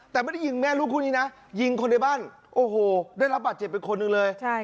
แต่ไม่ได้ยิงแม่ลูกคู่นี้นะยิงคนในบ้านโอ้โหได้รับบาดเจ็บไปคนหนึ่งเลย